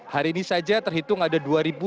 hari ini saja terhitung ada dua lima ratus